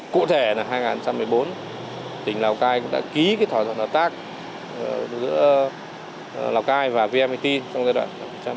cụ thể là hai nghìn một mươi bốn tỉnh lào cai cũng đã ký thỏa thuận hợp tác giữa lào cai và vnpt trong giai đoạn một trăm một mươi năm hai trăm hai mươi